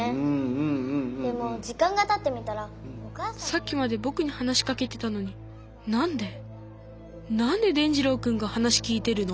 さっきまでぼくに話しかけてたのに何で何で伝じろうくんが話聞いてるの？